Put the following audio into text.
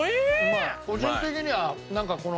個人的にはなんかこの。